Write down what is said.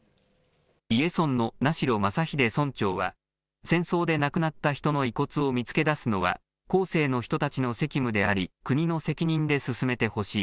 伊江村の名城政英村長は、戦争で亡くなった人の遺骨を見つけ出すのは、後世の人たちの責務であり、国の責任で進めてほしい。